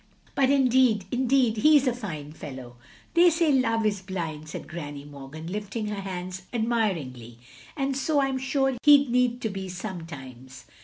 " "But indeed — ^indeed, he is a fine fellow "" They says Love is blind, " said Granny Morgan, lifting her hands admiringly, "and so I 'm sure he 'd need to be sometimes.